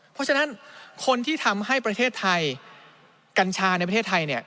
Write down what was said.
เพราะฉะนั้นคนที่ทำให้ประเทศไทยกัญชาในประเทศไทย